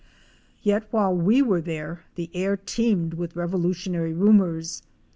Yet while we were there the air teemed with revolutionary rumors.